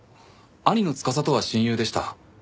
兄の司とは親友でした。